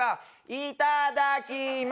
いただきます！